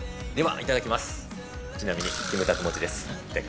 いただきます。